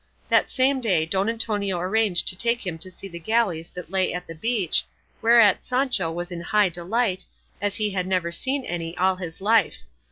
That same day Don Antonio arranged to take him to see the galleys that lay at the beach, whereat Sancho was in high delight, as he had never seen any all his life.